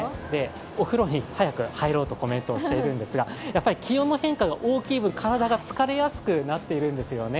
お風呂に早く入ろうとコメントしているんですがやはり気温の変化が大きい分、体が疲れやすくなってるんですよね。